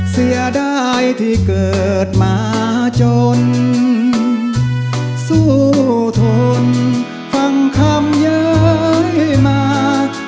เสียดายที่เกิดมาจนสู้ทนฟังคำย้ายมา